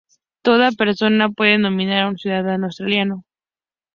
Toda persona puede nominar a un ciudadano australiano.